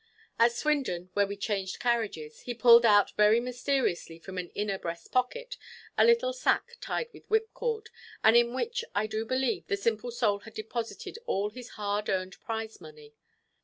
At Swindon, where we changed carriages, he pulled out very mysteriously from an inner breast pocket a little sack tied with whipcord, and in which, I do believe, the simple soul had deposited all his hard earned prize money.